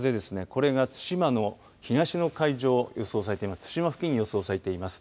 これが、対馬の東の海上予想されています。